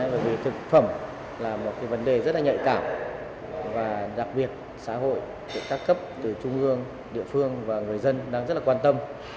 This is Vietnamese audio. vì thực phẩm là một vấn đề rất nhạy cảm và đặc biệt xã hội các cấp từ trung ương địa phương và người dân đang rất quan tâm